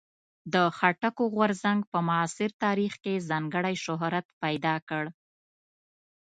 د خټکو غورځنګ په معاصر تاریخ کې ځانګړی شهرت پیدا کړ.